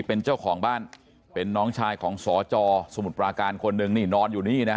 เป็นเจ้าของบ้านเป็นน้องชายของสจสมุทรปราการคนหนึ่งนี่นอนอยู่นี่นะฮะ